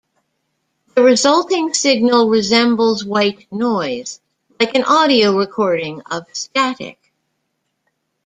The resulting signal resembles white noise, like an audio recording of "static".